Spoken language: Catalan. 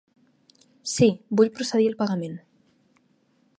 Sí, vull procedir al pagament!